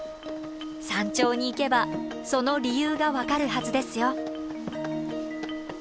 山頂に行けばその理由が分かるはずですよ。